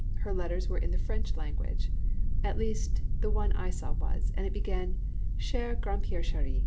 Her letters were in the French language; at least, the one that I saw was, and it began "Cher Grandpère cheri."